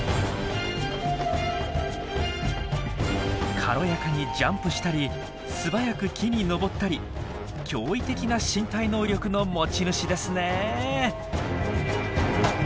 軽やかにジャンプしたり素早く木に登ったり驚異的な身体能力の持ち主ですね。